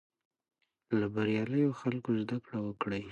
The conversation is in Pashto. له بریالیو خلکو زده کړه وکړئ.